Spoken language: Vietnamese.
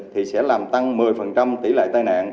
thì sẽ làm tăng một mươi tỷ lệ tai nạn